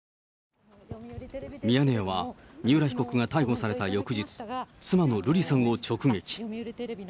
ミヤネ屋は三浦被告が逮捕された翌日、妻の瑠麗さんを直撃。